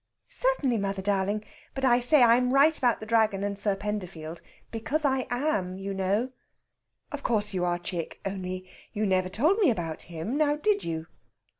"Certainly, mother darling; but say I'm right about the Dragon and Sir Penderfield. Because I am, you know." "Of course you are, chick. Only you never told me about him; now, did you?"